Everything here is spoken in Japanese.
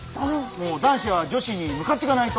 男子は女子に向かってかないと。